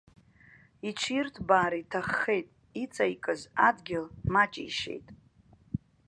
Иҽирҭбаар иҭаххеит, иҵаикыз адгьыл маҷишьеит.